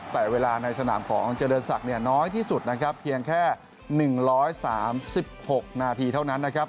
แต่เวลาในสนามของเจริญศักดิ์น้อยที่สุดนะครับเพียงแค่๑๓๖นาทีเท่านั้นนะครับ